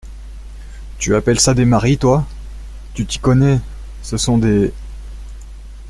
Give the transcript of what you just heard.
Tu appelles ça des maris, toi !… tu t’y connais… ce sont des…